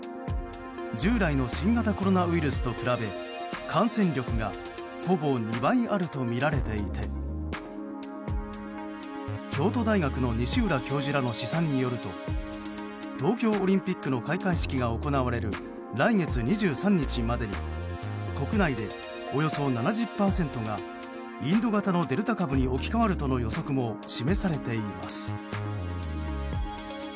従来の新型コロナウイルスと比べ感染力がほぼ２倍あるとみられていて京都大学の西浦教授らの試算によると東京オリンピックの開会式が行われる来月２３日までに国内でおよそ７０％がインド型のデルタ株に置き換わるとの予測も示されています。